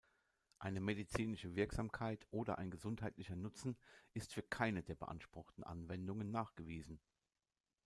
Eine medizinische Wirksamkeit oder ein gesundheitlicher Nutzen ist für keine der beanspruchten Anwendungen nachgewiesen.